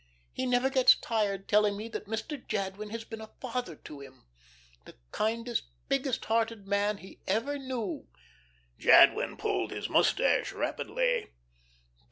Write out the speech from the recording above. He never gets tired telling me that Mr. Jadwin has been a father to him the kindest, biggest hearted man he ever knew '" Jadwin pulled his mustache rapidly.